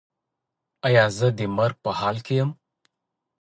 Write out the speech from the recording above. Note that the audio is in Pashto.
ایا زه د مرګ په حال کې یم؟